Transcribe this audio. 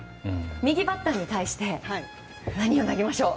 右バッターに対して何を投げましょう？